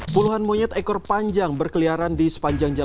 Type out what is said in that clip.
puluhan monyet ekor panjang